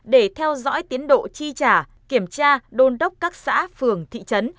để theo dõi tiến độ chi trả kiểm tra đôn đốc các xã phường thị trấn